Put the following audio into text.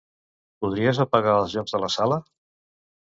Podries apagar els llums de la sala?